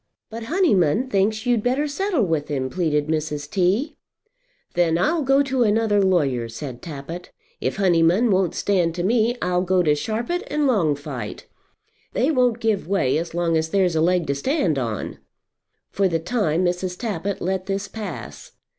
"But Honyman thinks you'd better settle with him," pleaded Mrs. T. "Then I'll go to another lawyer," said Tappitt. "If Honyman won't stand to me I'll go to Sharpit and Longfite. They won't give way as long as there's a leg to stand on." For the time Mrs. Tappitt let this pass.